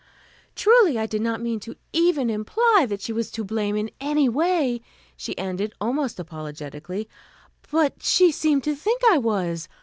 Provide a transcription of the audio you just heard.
"Truly, I did not mean to even imply that she was to blame in any way," she ended, almost apologetically, "but she seemed to think I was.